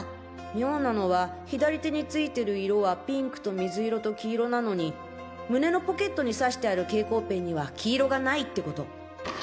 妙なのは左手についてる色はピンクと水色と黄色なのに胸のポケットに挿してある蛍光ペンには黄色がないってこと。